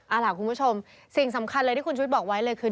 เอาล่ะคุณผู้ชมสิ่งสำคัญเลยที่คุณชุวิตบอกไว้เลยคือ